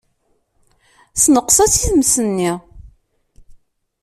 Ssenqes-as i tmes-nni.